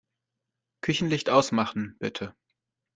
Küchenlicht ausmachen, bitte.